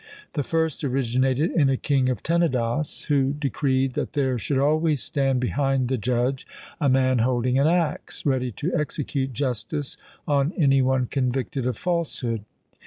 The first originated in a king of Tenedos, who decreed that there should always stand behind the judge a man holding an axe, ready to execute justice on any one convicted of falsehood.